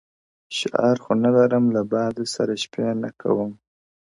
شعار خو نه لرم له باده سره شپې نه كوم ـ